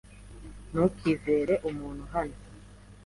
Ntukizere umuntu hano.